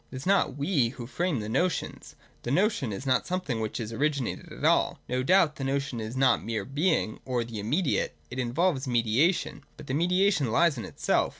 It is not we who frame the notions. The 294 THE DOCTRINE OF THE NOTION. [163, 164. notion is not something which is originated at all. No doubt the notion is not mere Being, or the immediate : it involves mediation, but the mediation lies in itself.